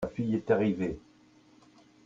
la fille est arrivée.